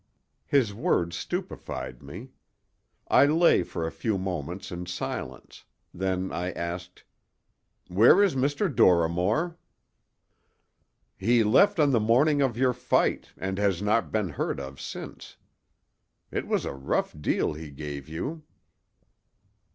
His words stupefied me. I lay for a few moments in silence; then I asked: "Where is Dr. Dorrimore?" "He left on the morning of your fight and has not been heard of since. It was a rough deal he gave you."